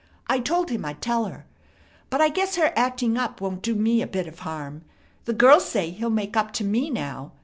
I told him I'd tell her. But I guess her acting up won't do me a bit of harm. The girls say he'll make up to me now.